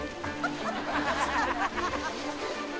ハハハハ！